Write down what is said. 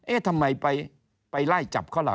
ทำไมไปไล่จับเขาล่ะ